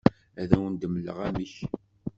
Ad awen-d-mleɣ amek.